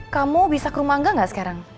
kamu bisa sesuai ga sekarang